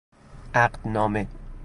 عقد نامه